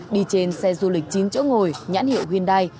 đi trên xe du lịch chín chỗ ngồi nhãn hiệu hyundai